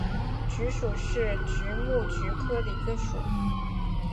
菊属是菊目菊科的一个属。